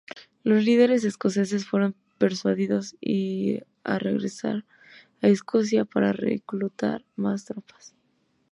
Los líderes escoceses fueron persuadidos a regresar a Escocia para reclutar más tropas.